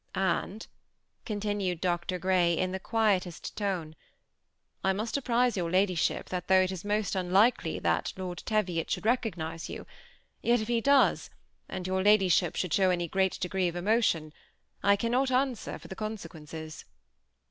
^ And," continued Dr. Grey, in the quietest tone, ^ I must apprise your ladyship that though it is most un likely that Lord Teviot should recognize you, yet that if he does, and your ladyship should show any great de gree of emotion, I cannot answer for the consequences."